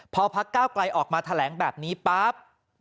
พอพักเก้าไกลออกมาแถลงแบบนี้ปั๊บ